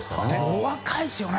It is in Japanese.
お若いですよね。